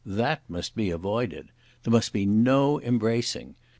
That must be avoided. There must be no embracing.